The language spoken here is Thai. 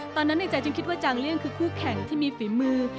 ในใจจึงคิดว่าจางเลี่ยงคือคู่แข่งที่มีฝีมือ